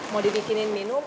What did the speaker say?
mau dibikinin minum